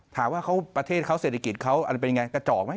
ถามว่าประเทศเขาเศรษฐกิจเขาอะไรเป็นไงกระจอกไหม